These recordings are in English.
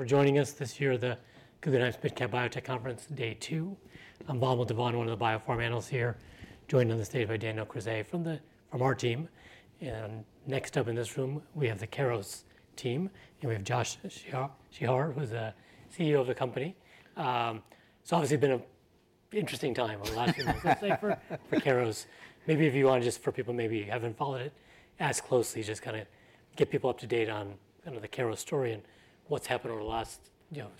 For joining us this year at the Guggenheim SMID Cap Biotech Conference, day two. I'm Vamil Divan, one of the Biopharma analysts here, joined on this stage by Daniel Krizay from our team. And next up in this room, we have the Keros team. And we have Jasbir Seehra, who's the CEO of the company. So obviously, it's been an interesting time. A lot of people are excited for Keros. Maybe if you want to just, for people who maybe haven't followed it that closely, just kind of get people up to date on the Keros story and what's happened over the last,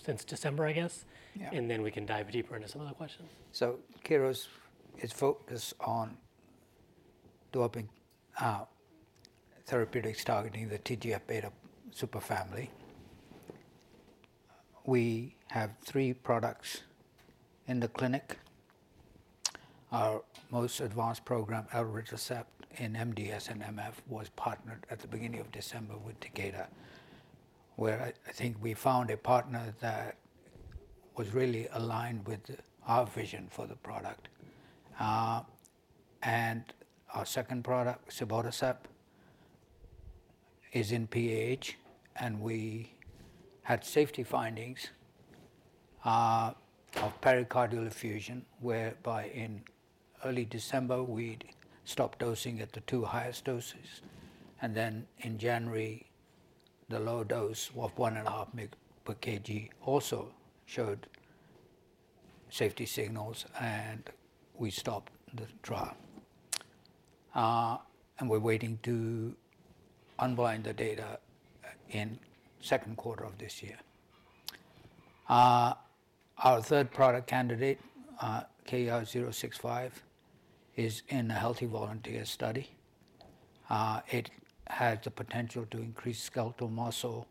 since December, I guess. And then we can dive deeper into some of the questions. Keros is focused on developing therapeutics targeting the TGF-β superfamily. We have three products in the clinic. Our most advanced program, Elritercept, in MDS and MF, was partnered at the beginning of December with Takeda, where I think we found a partner that was really aligned with our vision for the product. Our second product, Cibotercept, is in PAH. We had safety findings of pericardial effusion, whereby in early December, we stopped dosing at the two highest doses. Then in January, the low dose of one and one-half per kg also showed safety signals, and we stopped the trial. We're waiting to unblind the data in the second quarter of this year. Our third product candidate, KER-065, is in a healthy volunteer study. It has the potential to increase skeletal muscle,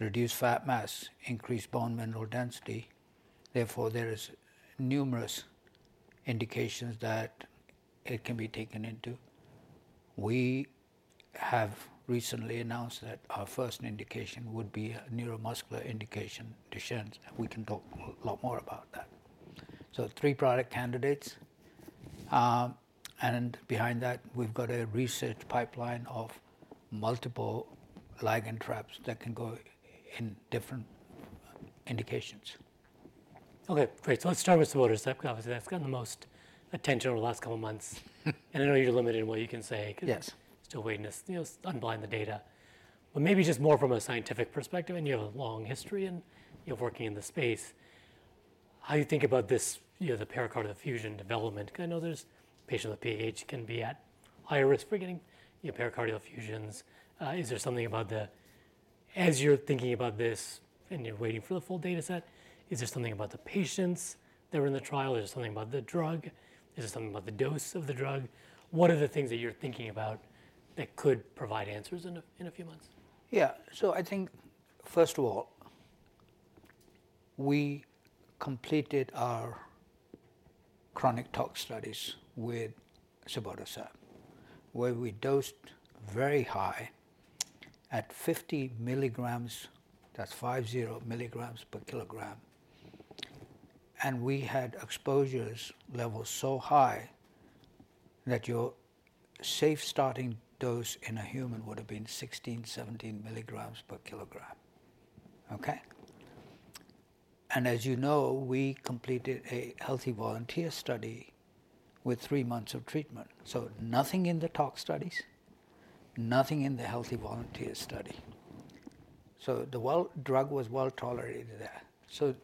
reduce fat mass, increase bone mineral density. Therefore, there are numerous indications that it can be taken into. We have recently announced that our first indication would be a neuromuscular indication, Duchenne's. We can talk a lot more about that, so three product candidates and behind that, we've got a research pipeline of multiple ligand traps that can go in different indications. Ok, great. So let's start with Cibotercept, because that's gotten the most attention over the last couple of months. And I know you're limited in what you can say because you're still waiting to unblind the data. But maybe just more from a scientific perspective, and you have a long history and you're working in the space, how do you think about the pericardial effusion development? Because I know there's patients with PAH who can be at higher risk for getting pericardial effusions. Is there something about the, as you're thinking about this and you're waiting for the full data set, is there something about the patients that were in the trial? Is there something about the drug? Is there something about the dose of the drug? What are the things that you're thinking about that could provide answers in a few months? Yeah, so I think, first of all, we completed our chronic tox studies with Cibotercept, where we dosed very high at 50 milligrams, that's 50 milligrams per kilogram. And we had exposure levels so high that your safe starting dose in a human would have been 16 mg-17 mg per kilogram. Ok? And as you know, we completed a healthy volunteer study with three months of treatment. So nothing in the tox studies, nothing in the healthy volunteer study. So the drug was well tolerated there. So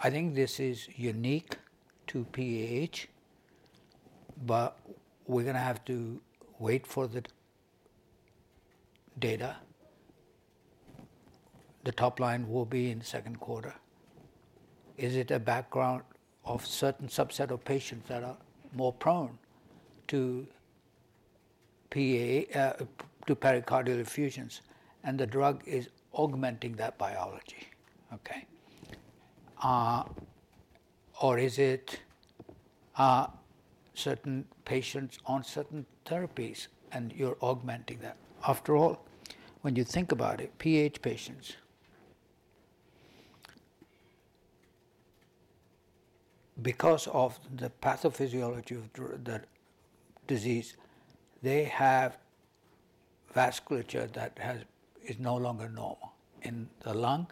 I think this is unique to PAH, but we're going to have to wait for the data. The top line will be in the second quarter. Is it a background of a certain subset of patients that are more prone to pericardial effusions? And the drug is augmenting that biology. Ok? Or is it certain patients on certain therapies, and you're augmenting that? After all, when you think about it, PAH patients, because of the pathophysiology of the disease, they have vasculature that is no longer normal in the lung.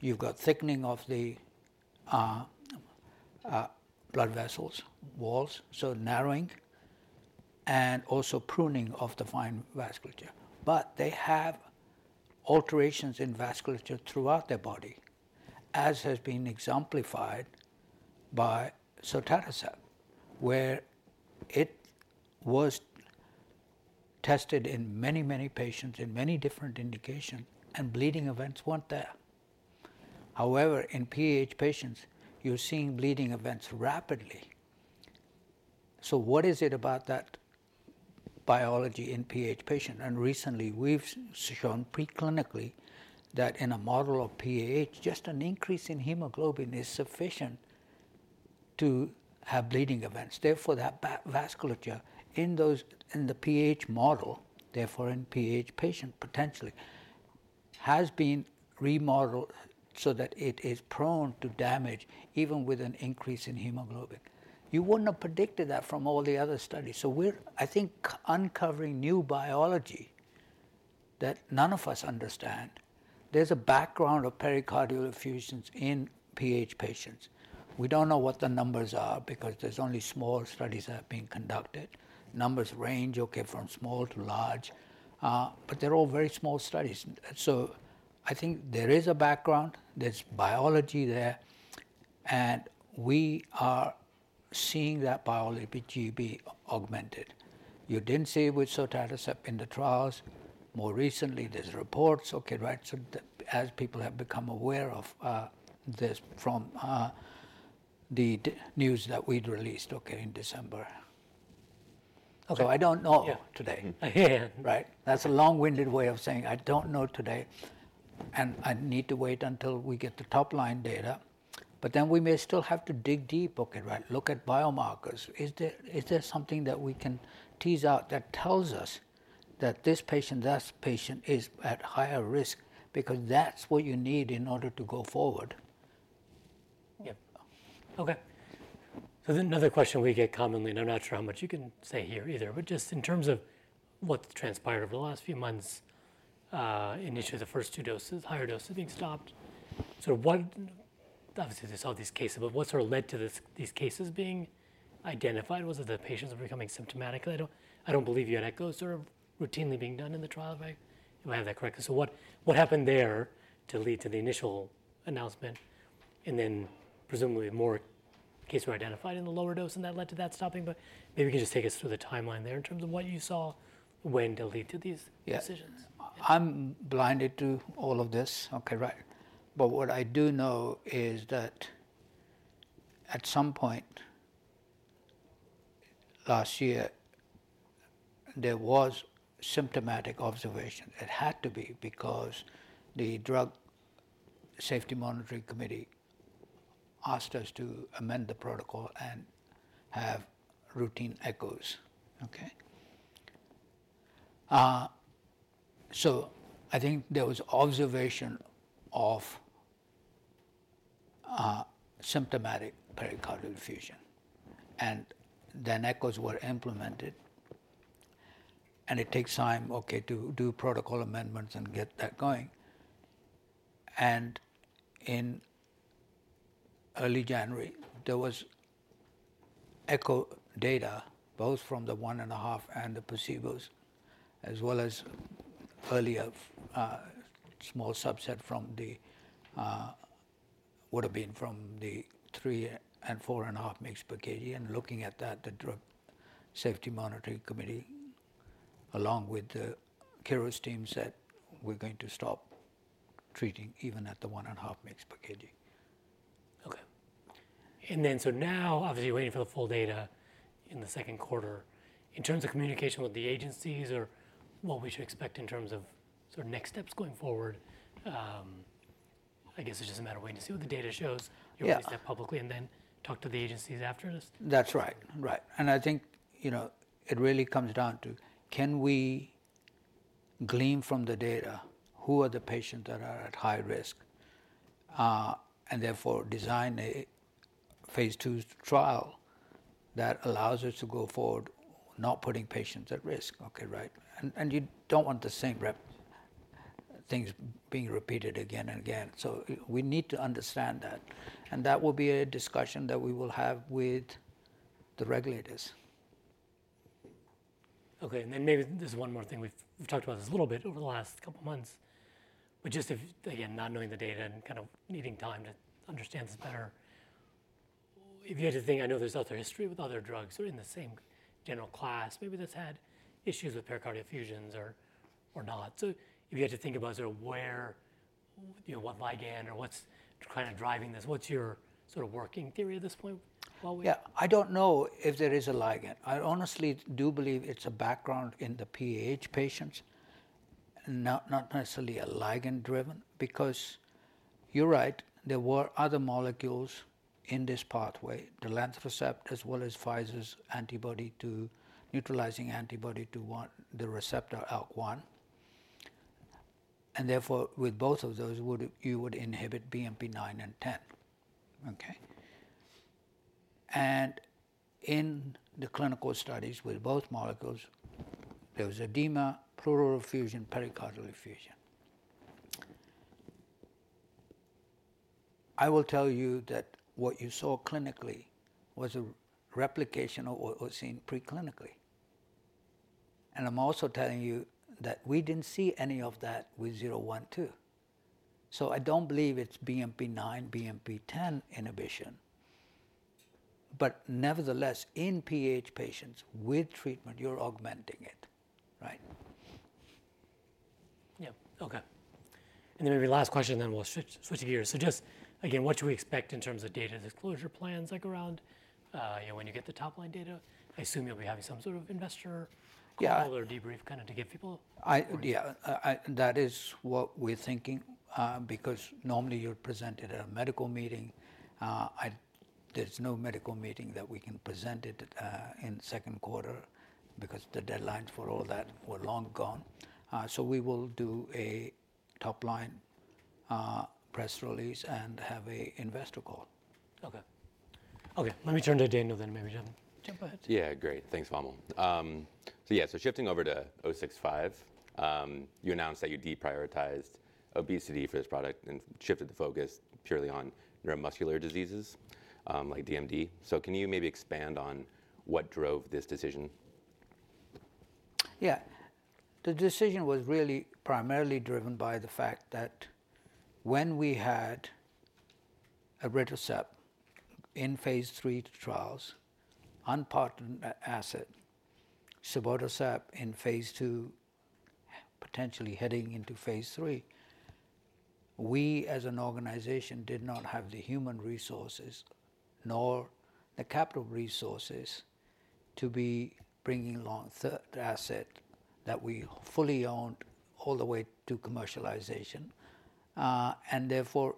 You've got thickening of the blood vessels, walls, so narrowing, and also pruning of the fine vasculature. But they have alterations in vasculature throughout their body, as has been exemplified by Sotatercept, where it was tested in many, many patients in many different indications, and bleeding events weren't there. However, in PAH patients, you're seeing bleeding events rapidly. So what is it about that biology in PAH patients? And recently, we've shown preclinically that in a model of PAH, just an increase in hemoglobin is sufficient to have bleeding events. Therefore, that vasculature in the PAH model, therefore in PAH patients potentially, has been remodeled so that it is prone to damage even with an increase in hemoglobin. You wouldn't have predicted that from all the other studies. So we're, I think, uncovering new biology that none of us understand. There's a background of pericardial effusions in PAH patients. We don't know what the numbers are because there's only small studies that have been conducted. Numbers range from small to large, but they're all very small studies. So I think there is a background. There's biology there. And we are seeing that biology be augmented. You didn't see it with Sotatercept in the trials. More recently, there's reports, Ok, right, as people have become aware of this from the news that we'd released in December. So I don't know today. Right? That's a long-winded way of saying, I don't know today. And I need to wait until we get the top line data. But then we may still have to dig deep, Ok, right, look at biomarkers. Is there something that we can tease out that tells us that this patient, that patient is at higher risk? Because that's what you need in order to go forward. Yep. Ok. So then another question we get commonly, and I'm not sure how much you can say here either, but just in terms of what's transpired over the last few months, initially the first two doses, higher doses being stopped. So obviously, there's all these cases, but what sort of led to these cases being identified? Was it the patients that were becoming symptomatic? I don't believe you had echo sort of routinely being done in the trial, if I have that correct. So what happened there to lead to the initial announcement? And then presumably more cases were identified in the lower dose, and that led to that stopping. But maybe you can just take us through the timeline there in terms of what you saw when it led to these decisions. I'm blinded to all of this, ok, right? But what I do know is that at some point last year, there was symptomatic observation. It had to be because the Drug Safety Monitoring Committee asked us to amend the protocol and have routine echoes. Ok? So I think there was observation of symptomatic pericardial effusion. And then echoes were implemented. And it takes time, ok, to do protocol amendments and get that going. And in early January, there was echo data, both from the 1 and 1/2 and the placebos, as well as earlier small subset from the, would have been from the 3 mg and 4 mg and 1/2 mg per kg. And looking at that, the Drug Safety Monitoring Committee, along with the Keros team, said we're going to stop treating even at the 1 mg and 1/2 mg per kg. Okay. And then so now, obviously, you're waiting for the full data in the second quarter. In terms of communication with the agencies or what we should expect in terms of sort of next steps going forward, I guess it's just a matter of waiting to see what the data shows. You'll release that publicly and then talk to the agencies after this. That's right. Right. And I think it really comes down to, can we glean from the data who are the patients that are at high risk? And therefore, design a Phase II trial that allows us to go forward, not putting patients at risk, Ok, right? And you don't want the same things being repeated again and again. So we need to understand that. And that will be a discussion that we will have with the regulators. Ok. And then maybe there's one more thing. We've talked about this a little bit over the last couple of months, but just, again, not knowing the data and kind of needing time to understand this better. If you had to think, I know there's other history with other drugs that are in the same general class. Maybe that's had issues with pericardial effusions or not. So if you had to think about sort of where, what ligand or what's kind of driving this, what's your sort of working theory at this point? Yeah, I don't know if there is a ligand. I honestly do believe it's a background in the PAH patients, not necessarily a ligand driven. Because you're right, there were other molecules in this pathway, the Sotatercept, as well as Pfizer's neutralizing antibody to the receptor ALK1. And therefore, with both of those, you would inhibit BMP-9 and BMP-10. Ok? And in the clinical studies with both molecules, there was edema, pleural effusion, pericardial effusion. I will tell you that what you saw clinically was a replication of what was seen preclinically. And I'm also telling you that we didn't see any of that with 012. So I don't believe it's BMP-9, BMP-10 inhibition. But nevertheless, in PAH patients with treatment, you're augmenting it, right? Yeah. Ok. And then maybe last question, then we'll switch gears. So just, again, what should we expect in terms of data disclosure plans, like around when you get the top line data? I assume you'll be having some sort of investor call or debrief kind of to give people. Yeah, that is what we're thinking. Because normally, you're presented at a medical meeting. There's no medical meeting that we can present in the second quarter because the deadlines for all that were long gone. So we will do a top line press release and have an investor call. Ok, let me turn to Daniel, then maybe jump ahead. Yeah, great. Thanks, Vamil. So yeah, so shifting over to 065, you announced that you deprioritized obesity for this product and shifted the focus purely on neuromuscular diseases like DMD. So can you maybe expand on what drove this decision? Yeah, the decision was really primarily driven by the fact that when we had Elritercept in Phase III trials, unpartnered asset, Cibotercept in Phase II, potentially heading into Phase III, we as an organization did not have the human resources nor the capital resources to be bringing along the asset that we fully owned all the way to commercialization. And therefore,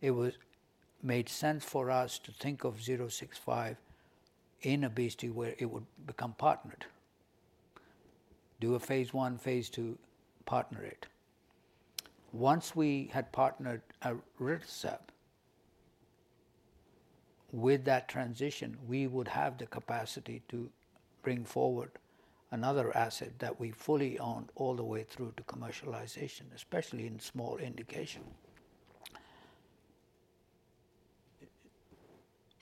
it made sense for us to think of 065 in obesity where it would become partnered. Do a Phase I, Phase II, partner it. Once we had partnered Elritercept, with that transition, we would have the capacity to bring forward another asset that we fully owned all the way through to commercialization, especially in small indication.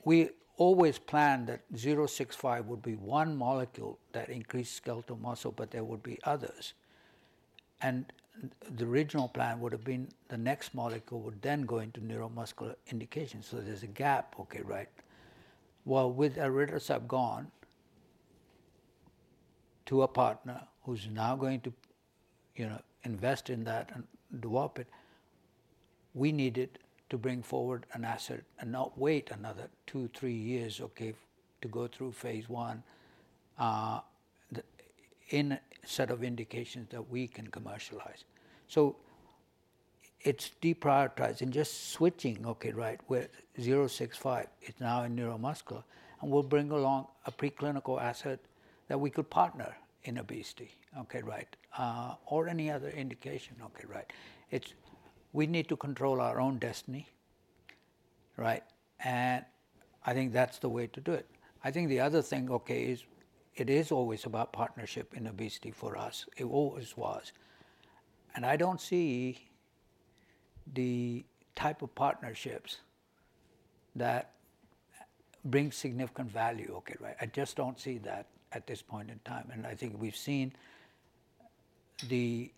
We always planned that 065 would be one molecule that increased skeletal muscle, but there would be others. The original plan would have been the next molecule would then go into neuromuscular indication. So there's a gap, Ok, right? Well, with Elritercept gone to a partner who's now going to invest in that and develop it, we needed to bring forward an asset and not wait another two, three years, Ok, to go through Phase I in a set of indications that we can commercialize. So it's deprioritizing just switching, Ok, right, where 065 is now in neuromuscular. And we'll bring along a preclinical asset that we could partner in obesity, Ok, right, or any other indication, Ok, right? We need to control our own destiny, right? And I think that's the way to do it. I think the other thing, Ok, is it is always about partnership in obesity for us. It always was. And I don't see the type of partnerships that bring significant value, Ok, right? I just don't see that at this point in time. And I think we've seen the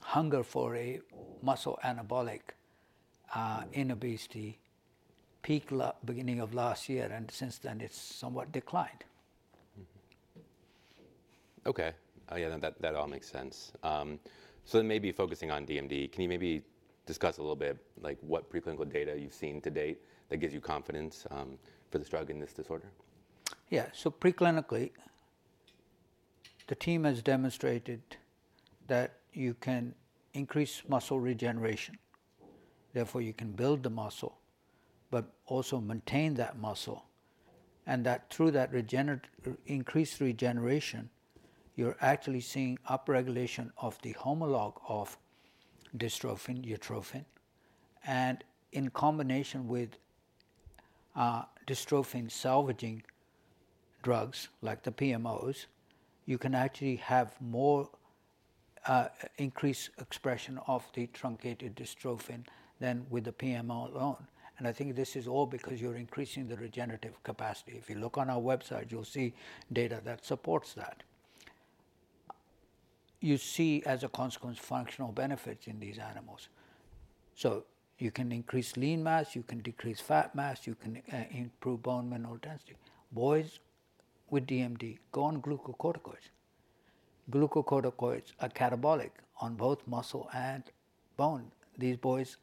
hunger for a muscle anabolic in obesity peaked beginning of last year. And since then, it's somewhat declined. Ok. Yeah, that all makes sense. So then maybe focusing on DMD, can you maybe discuss a little bit what preclinical data you've seen to date that gives you confidence for this drug in this disorder? Yeah, so preclinically, the team has demonstrated that you can increase muscle regeneration. Therefore, you can build the muscle, but also maintain that muscle, and that through that increased regeneration, you're actually seeing upregulation of the homolog of dystrophin, utrophin. And in combination with dystrophin salvaging drugs like the PMOs, you can actually have more increased expression of the truncated dystrophin than with the PMO alone. And I think this is all because you're increasing the regenerative capacity. If you look on our website, you'll see data that supports that. You see, as a consequence, functional benefits in these animals, so you can increase lean mass. You can decrease fat mass. You can improve bone mineral density. Boys with DMD go on glucocorticoids. Glucocorticoids are catabolic on both muscle and bone. These boys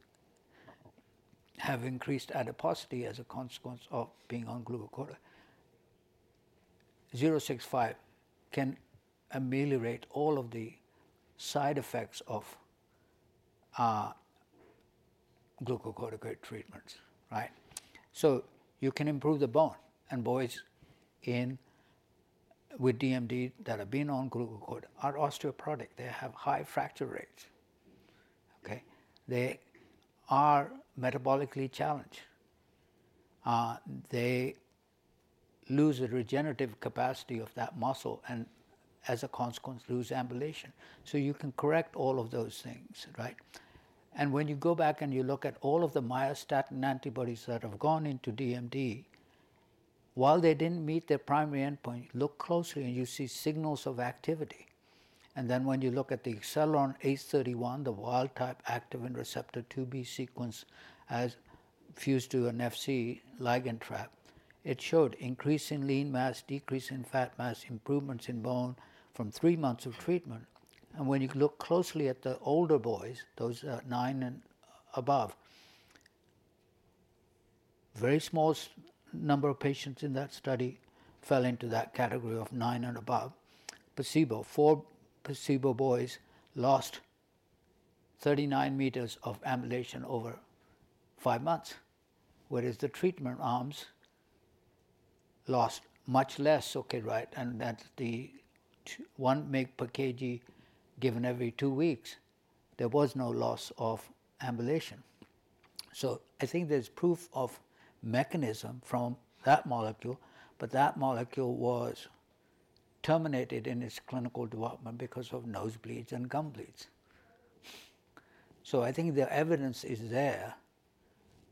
have increased adiposity as a consequence of being on glucocorticoid. KER-065 can ameliorate all of the side effects of glucocorticoid treatments, right? So you can improve the bone. And boys with DMD that have been on glucocorticoid are osteoporotic. They have high fracture rates. Ok? They are metabolically challenged. They lose the regenerative capacity of that muscle and, as a consequence, lose ambulation. So you can correct all of those things, right? And when you go back and you look at all of the myostatin antibodies that have gone into DMD, while they didn't meet their primary endpoint, look closely and you see signals of activity. And then when you look at the Acceleron ACE-031, the wild-type activin receptor 2B sequence that's fused to an Fc ligand trap, it showed increase in lean mass, decrease in fat mass, improvements in bone from three months of treatment. And when you look closely at the older boys, those nine and above, very small number of patients in that study fell into that category of nine and above. Placebo, four placebo boys lost 39 m of ambulation over five months. Whereas the treatment arms lost much less, Ok, right? And that's the one mg per kg given every two weeks. There was no loss of ambulation. So I think there's proof of mechanism from that molecule. But that molecule was terminated in its clinical development because of nosebleeds and gum bleeds. So I think the evidence is there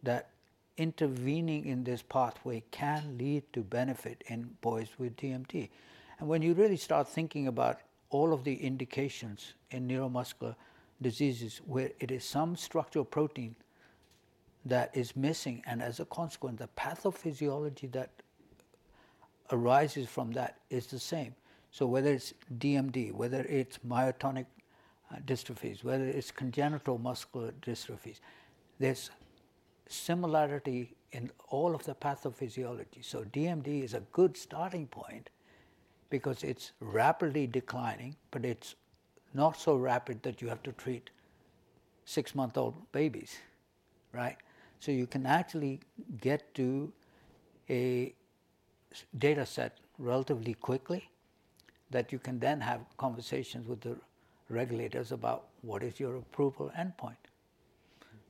that intervening in this pathway can lead to benefit in boys with DMD. And when you really start thinking about all of the indications in neuromuscular diseases, where it is some structural protein that is missing. And as a consequence, the pathophysiology that arises from that is the same. So whether it's DMD, whether it's myotonic dystrophies, whether it's congenital muscular dystrophies, there's similarity in all of the pathophysiology. So DMD is a good starting point because it's rapidly declining, but it's not so rapid that you have to treat six-month-old babies, right? So you can actually get to a data set relatively quickly that you can then have conversations with the regulators about what is your approval endpoint.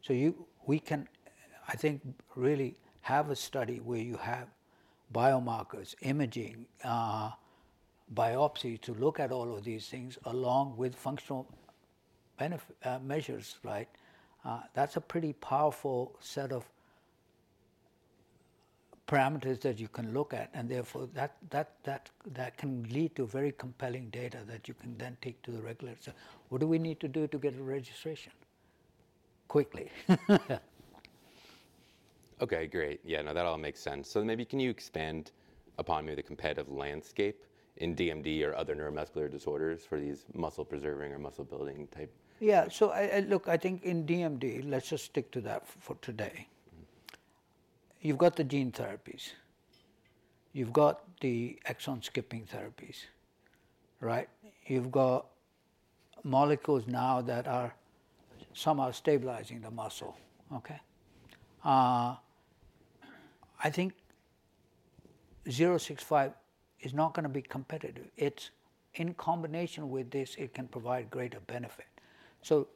So we can, I think, really have a study where you have biomarkers, imaging, biopsy to look at all of these things along with functional measures, right? That's a pretty powerful set of parameters that you can look at. And therefore, that can lead to very compelling data that you can then take to the regulators. What do we need to do to get a registration? Quickly. Ok, great. Yeah, no, that all makes sense. So maybe can you expand upon maybe the competitive landscape in DMD or other neuromuscular disorders for these muscle-preserving or muscle-building type? Yeah, so look, I think in DMD, let's just stick to that for today. You've got the gene therapies. You've got the exon-skipping therapies, right? You've got molecules now that are somehow stabilizing the muscle, Ok? I think 065 is not going to be competitive. It's in combination with this, it can provide greater benefit. So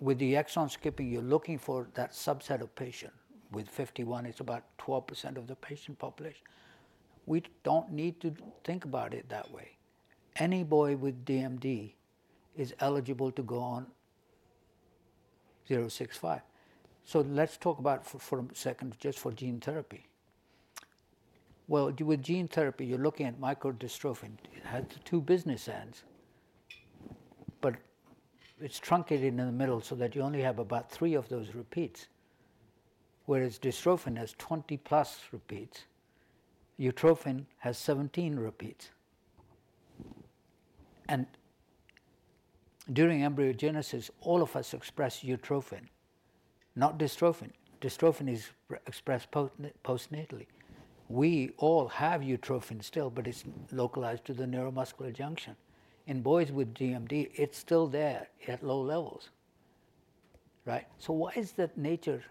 with the exon-skipping, you're looking for that subset of patients. With 51, it's about 12% of the patient population. We don't need to think about it that way. Any boy with DMD is eligible to go on 065. So let's talk about for a second just for gene therapy. Well, with gene therapy, you're looking at microdystrophin. It has two business ends. But it's truncated in the middle so that you only have about three of those repeats. Whereas dystrophin has 20+ repeats. Utrophin has 17 repeats. During embryogenesis, all of us express utrophin, not dystrophin. Dystrophin is expressed postnatal. We all have utrophin still, but it's localized to the neuromuscular junction. In boys with DMD, it's still there at low levels, right? So why is that nature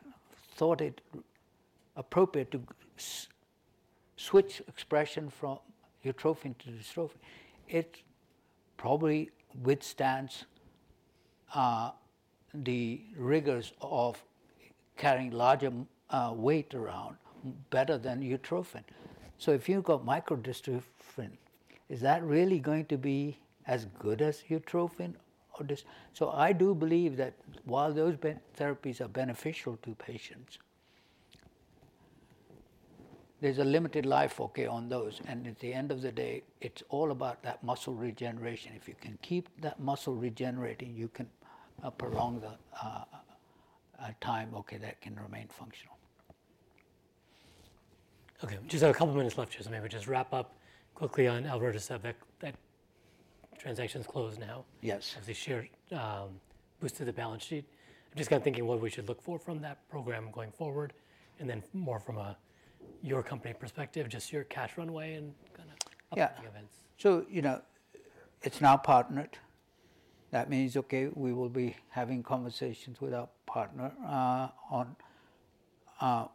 thought it appropriate to switch expression from utrophin to dystrophin? It probably withstands the rigors of carrying larger weight around better than utrophin. So if you've got microdystrophin, is that really going to be as good as utrophin? So I do believe that while those therapies are beneficial to patients, there's a limited life, Ok, on those. And at the end of the day, it's all about that muscle regeneration. If you can keep that muscle regenerating, you can prolong the time, Ok, that can remain functional. Ok, we just have a couple of minutes left, Jas. Maybe we just wrap up quickly on Elritercept. That transaction's closed now. Yes. Hopefully, share boosted the balance sheet. I'm just kind of thinking what we should look for from that program going forward, and then more from your company perspective, just your cash runway and kind of upcoming events. Yeah, so you know it's now partnered. That means, Ok, we will be having conversations with our partner on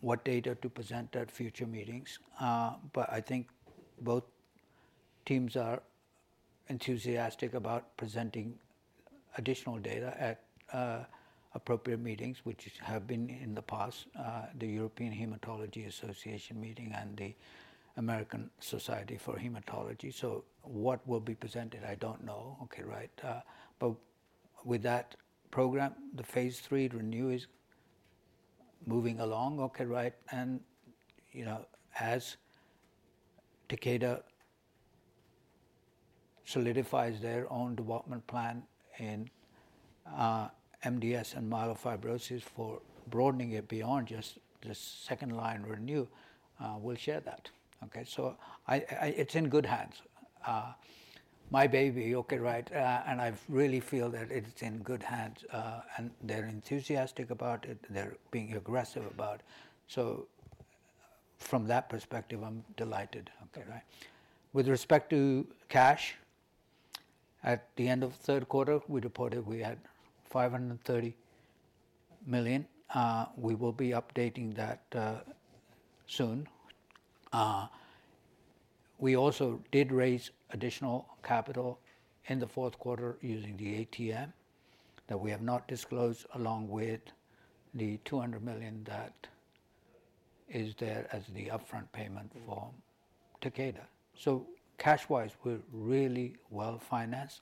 what data to present at future meetings. But I think both teams are enthusiastic about presenting additional data at appropriate meetings, which have been in the past, the European Hematology Association meeting and the American Society of Hematology. So what will be presented, I don't know, Ok, right? But with that program, the Phase III RENEW is moving along, Ok, right? And as Takeda solidifies their own development plan in MDS and myelofibrosis for broadening it beyond just the second-line RENEW, we'll share that, Ok? So it's in good hands. My baby, Ok, right? And I really feel that it's in good hands. And they're enthusiastic about it. They're being aggressive about it. So from that perspective, I'm delighted, Ok, right? With respect to cash, at the end of the third quarter, we reported we had $530 million. We will be updating that soon. We also did raise additional capital in the fourth quarter using the ATM that we have not disclosed, along with the $200 million that is there as the upfront payment for Takeda. So cash-wise, we're really well-financed.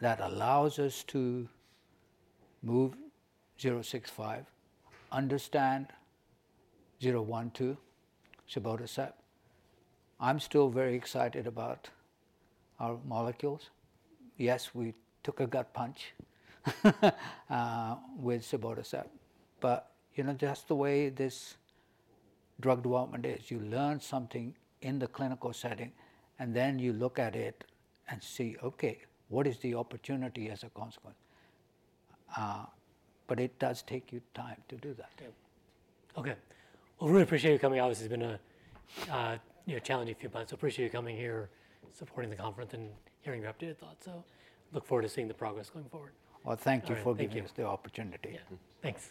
That allows us to move 065, understand 012, Cibotercept. I'm still very excited about our molecules. Yes, we took a gut punch with Cibotercept, but you know just the way this drug development is, you learn something in the clinical setting. Then you look at it and see, Ok, what is the opportunity as a consequence? But it does take you time to do that. Okay. Well, we really appreciate you coming. Obviously, it's been a challenging few months. So appreciate you coming here, supporting the conference, and hearing your updated thoughts. So look forward to seeing the progress going forward. Well, thank you for giving us the opportunity. Thanks.